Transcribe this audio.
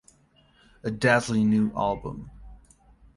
A dazzling new album.